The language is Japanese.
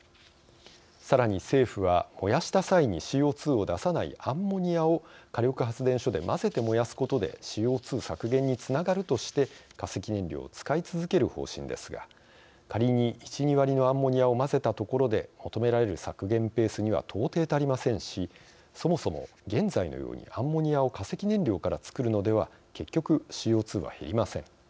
さらに政府は、燃やした際にＣＯ２を出さないアンモニアを火力発電所で混ぜて燃やすことでＣＯ２削減につながるとして化石燃料を使い続ける方針ですが仮に１２割のアンモニアを混ぜたところで求められる削減ペースには到底足りませんし、そもそも現在のようにアンモニアを化石燃料から作るのでは結局ＣＯ２は減りません。